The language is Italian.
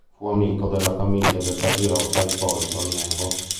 Fu amico della famiglia del patriota Ippolito Nievo.